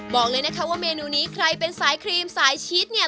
บอกเลยนะคะว่าเมนูนี้ใครเป็นสายครีมสายชีสเนี่ย